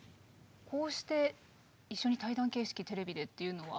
こうして一緒に対談形式テレビでっていうのは。